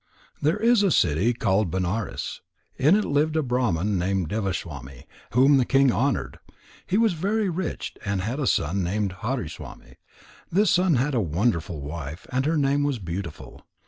There is a city called Benares. In it lived a Brahman named Devaswami, whom the king honoured. He was very rich, and he had a son named Hariswami. This son had a wonderful wife, and her name was Beautiful.